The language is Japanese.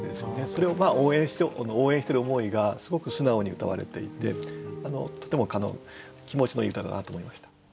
それを応援してる思いがすごく素直にうたわれていてとても気持ちのいい歌だなと思いました。